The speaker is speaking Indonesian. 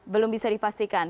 belum bisa dipastikan